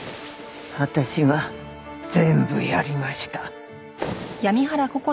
私が全部やりました。